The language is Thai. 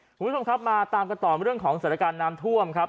คุณผู้ชมครับมาตามกันต่อเรื่องของสถานการณ์น้ำท่วมครับ